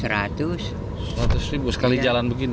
seratus ribu sekali jalan begini